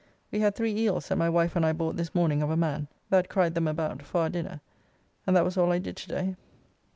We had three eels that my wife and I bought this morning of a man, that cried them about, for our dinner, and that was all I did to day.